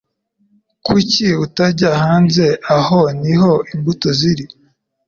Kuki utajya hanze? Aho niho imbuto ziri.